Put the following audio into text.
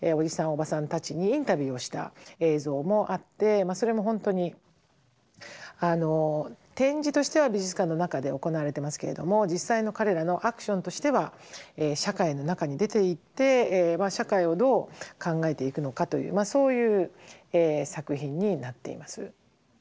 おばさんたちにインタビューをした映像もあってそれも本当に展示としては美術館の中で行われてますけれども実際の彼らのアクションとしては社会の中に出ていって社会をどう考えていくのかというまあそういう作品になっています。